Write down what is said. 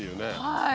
はい！